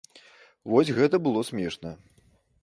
Вось гэта было смешна.